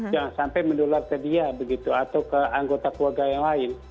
jangan sampai menular ke dia begitu atau ke anggota keluarga yang lain